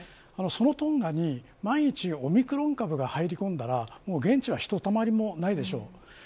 そのトンガに万一オミクロン株が入り込んだら現地はひとたまりもないでしょう。